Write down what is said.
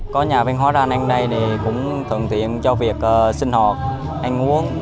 có nhà văn hóa đang đây thì cũng thường tiện cho việc sinh hoạt ăn uống